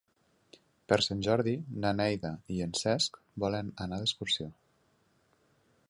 Per Sant Jordi na Neida i en Cesc volen anar d'excursió.